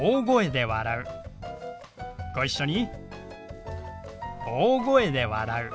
ご一緒に。